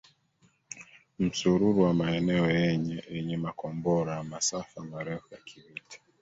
msururu wa maeneo yenye makombora ya masafa marefu ya kivita